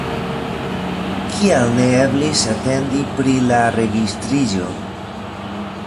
Kial ne eblis atendi pri la registriĝo?